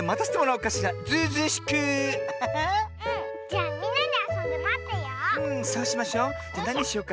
じゃみんなであそんでまってよう。